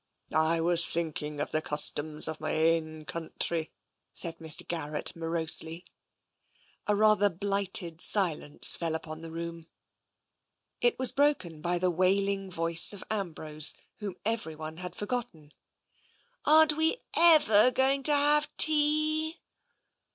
'* I was thinking of the customs in my ain coun tree," said Mr. Garrett morosely. A rather blighted silence fell upon the room. It was broken by the wailing voice of Ambrose, whom everyone had forgotten. " Aren't we ever going to have tea